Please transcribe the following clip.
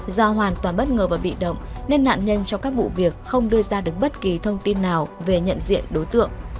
do hoàn toàn bất ngờ và bị động nên nạn nhân trong các vụ việc không đưa ra được bất kỳ thông tin nào về nhận diện đối tượng